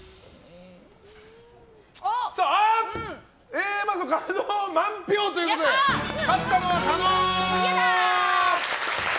Ａマッソ加納、満票ということで勝ったのは加納！